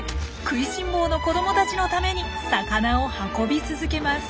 食いしん坊の子どもたちのために魚を運び続けます。